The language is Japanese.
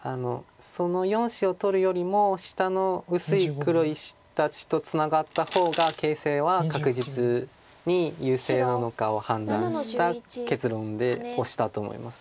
その４子を取るよりも下の薄い黒石たちとツナがった方が形勢は確実に優勢なのかを判断した結論でオシたと思います。